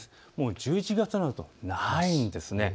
１１月になるとないんです。